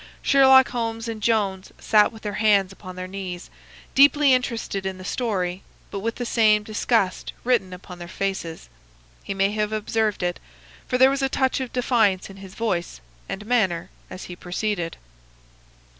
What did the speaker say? Sherlock Holmes and Jones sat with their hands upon their knees, deeply interested in the story, but with the same disgust written upon their faces. He may have observed it, for there was a touch of defiance in his voice and manner as he proceeded.